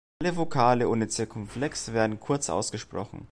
Alle Vokale ohne Zirkumflex werden kurz ausgesprochen.